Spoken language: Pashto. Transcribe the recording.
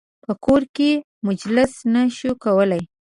په کور کې مجلس نه شو کولای.